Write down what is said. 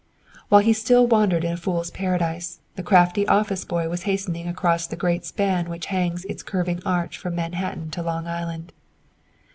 While he still wandered in a Fool's Paradise, the crafty office boy was hastening across the great span which hangs its curving arch from Manhattan to Long Island.